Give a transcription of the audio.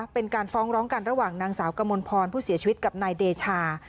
เป็นการฟ้องร้องกันระหว่างนางสาวกมลพรผู้เสียชีวิตกับนายเดชา